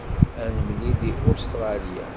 Ad nemlil deg Ustṛalya.